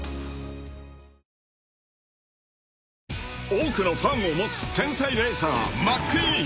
［多くのファンを持つ天才レーサーマックィーン］